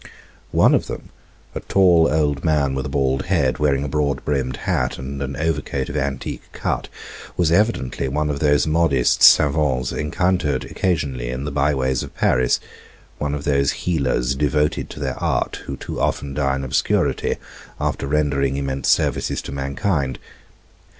One of them, a tall old man with a bald head, wearing a broad brimmed hat, and an overcoat of antique cut, was evidently one of those modest savants encountered occasionally in the byways of Paris one of those healers devoted to their art, who too often die in obscurity, after rendering immense services to mankind.